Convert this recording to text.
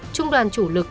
trung đoàn chủ lực